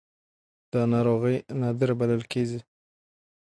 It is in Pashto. دا ناروغي نادره بلل کېږي.